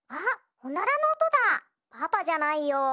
パパじゃないよ。